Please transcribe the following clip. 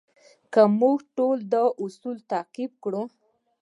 که موږ ټول دا اصول تعقیب کړو.